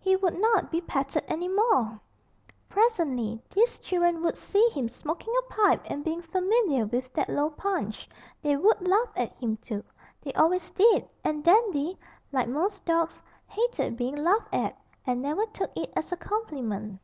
He would not be petted any more! Presently these children would see him smoking a pipe and being familiar with that low Punch. They would laugh at him too they always did and Dandy, like most dogs, hated being laughed at, and never took it as a compliment.